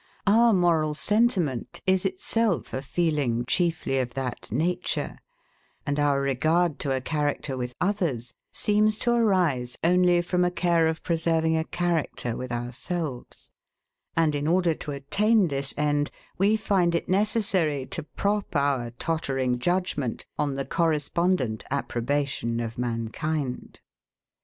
Our moral sentiment is itself a feeling chiefly of that nature, and our regard to a character with others seems to arise only from a care of preserving a character with ourselves; and in order to attain this end, we find it necessary to prop our tottering judgement on the correspondent approbation of mankind.